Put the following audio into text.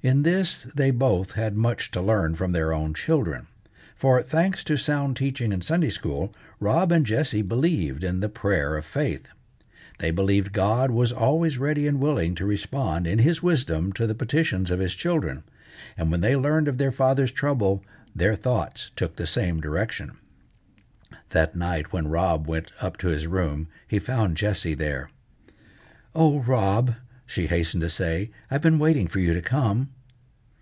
In this they both had much to learn from their own children, for, thanks to sound teaching in Sunday school, Rob and Jessie believed in the prayer of faith. They believed God was always ready and willing to respond in his wisdom to the petitions of his children, and when they learned of their father's trouble, their thoughts took the same direction. That night, when Rob went up to his room, he found Jessie there. "O Rob!" she hastened to say, "I've been waiting for you to come."